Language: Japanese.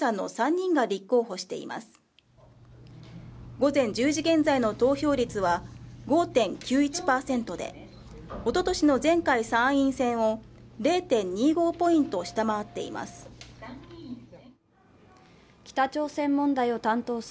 午前１０時現在の投票率は５．９１％で、おととしの前回参院選を０．２５ポイント下回っています。